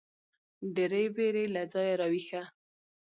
ډېـرې وېـرې له ځايـه راويـښه.